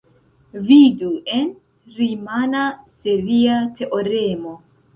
Vidu en "rimana seria teoremo".